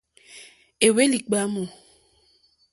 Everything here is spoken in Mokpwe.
Éhwélì ɡbámù.